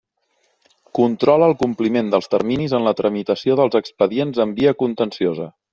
Controla el compliment dels terminis en la tramitació dels expedients en via contenciosa.